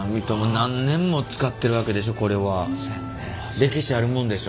歴史あるもんでしょ？